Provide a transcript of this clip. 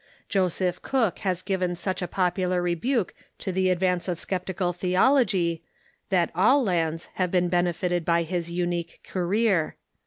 Joseph Cook has given such a popular rebuke to the advance of sceptical theology that all lands have been benefited by his unique career.